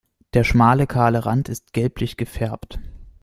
Der schmale kahle Rand ist gelblich gefärbt.